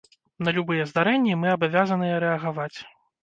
На любыя здарэнні мы абавязаныя рэагаваць.